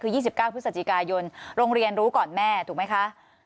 คือ๒๙พฤศจิกายนโรงเรียนรู้ก่อนแม่ถูกไหมคะ